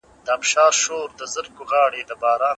الکول هم د پاکوالي لپاره کارول کیږي.